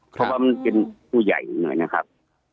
เพราะว่ามันเป็นผู้ใหญ่นะครับ